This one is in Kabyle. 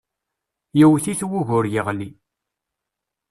Yewwet-it wugur yeɣli.